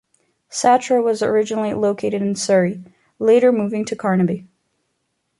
Satra was originally located in Surrey, later moving to Carnaby.